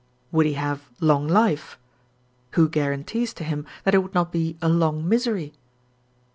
Would he have long life? who guarantees to him that it would not be a long misery?